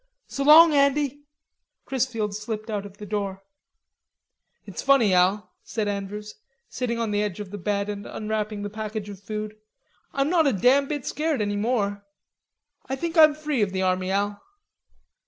"So long, Andy." Chrisfield slipped out of the door. "It's funny, Al," said Andrews, sitting on the edge of the bed and unwrapping the package of food, "I'm not a damn bit scared any more. I think I'm free of the army, Al....